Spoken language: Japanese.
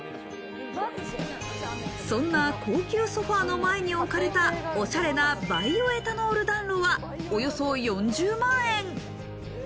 そんな高級ソファの前に置かれたおしゃれなバイオエタノール暖炉は、およそ４０万円。